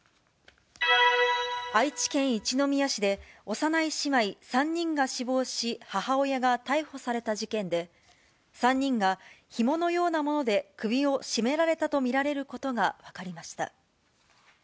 愛知県一宮市で、幼い姉妹３人が死亡し、母親が逮捕された事件で、３人がひものようなもので首を絞められたと見られることが分かりました。